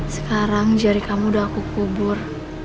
sekarang jari kamu udah aku kubur